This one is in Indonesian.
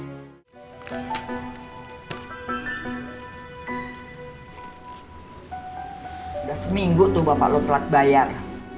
sudah seminggu tuh bapak lo telat bayar